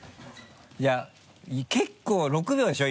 いや結構６秒でしょ？